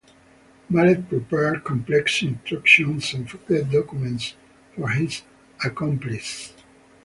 Malet prepared complex instructions and forged documents for his accomplices.